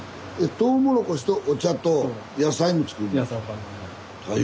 トウモロコシとお茶と野菜も作るんですか？